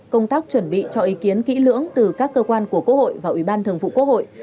công tác chuẩn bị cho ý kiến kỹ lưỡng từ các cơ quan của quốc hội và ủy ban thường vụ quốc hội